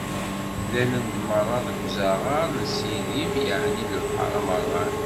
Mlalen-d meṛṛa deg uzaɣar n Sidim, yeɛni lebḥeṛ amerɣan.